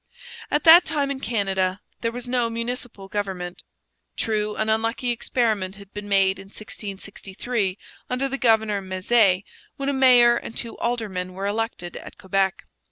At that time in Canada there was no municipal government. True, an unlucky experiment had been made in 1663, under the governor Mezy, when a mayor and two aldermen were elected at Quebec.